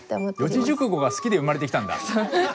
四字熟語が好きで生まれてきたんだ！